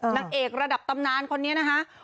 นางเอกระดับตำนานคนนี้นะคะ